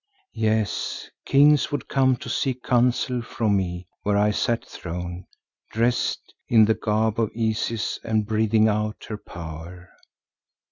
Yes, kings would come to seek counsel from me where I sat throned, dressed in the garb of Isis and breathing out her power.